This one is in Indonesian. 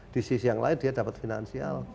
di sisi yang lain dia dapat finansial